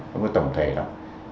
không có tổng thể đâu